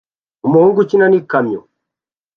Umuhungu ukina n'ikamyo